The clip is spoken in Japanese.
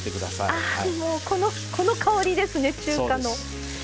あぁもうこのこの香りですね中華の。